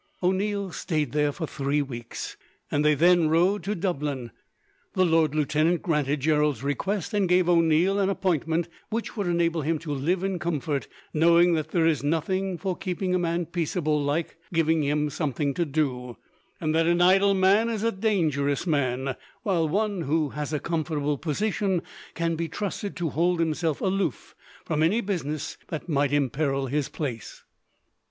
O'Neil stayed there for three weeks, and they then rode to Dublin. The lord lieutenant granted Gerald's request, and gave O'Neil an appointment which would enable him to live in comfort; knowing that there is nothing, for keeping a man peaceable, like giving him something to do; and that an idle man is a dangerous man, while one who has a comfortable position can be trusted to hold himself aloof from any business that might imperil his place.